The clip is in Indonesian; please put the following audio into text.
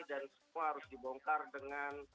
dan semua harus dibongkar dengan